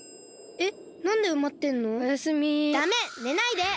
えっ！？